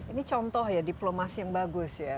ini contoh ya diplomasi yang bagus ya